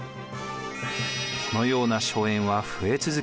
このような荘園は増え続け